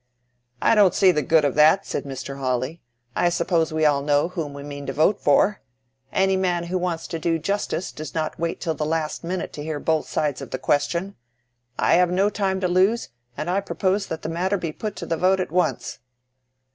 "I don't see the good of that," said Mr. Hawley. "I suppose we all know whom we mean to vote for. Any man who wants to do justice does not wait till the last minute to hear both sides of the question. I have no time to lose, and I propose that the matter be put to the vote at once."